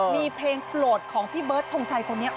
มีเพลงโปรดของพี่เบิร์ดทงชัยคนนี้